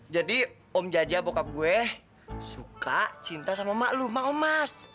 jadi om jajah bokap gue suka cinta sama emak lu emak omas